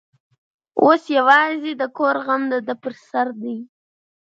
اوس یوازې د کور غم د ده پر سر دی.